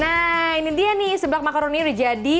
nah ini dia nih sebelak makaroni udah jadi